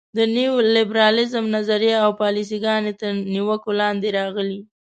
د نیولیبرالیزم نظریه او پالیسي ګانې تر نیوکو لاندې راغلي.